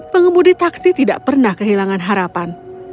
pengemudi taksi tidak pernah kehilangan harapan